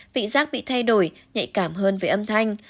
vị giác bị thay đổi nhạy cảm hơn về âm thanh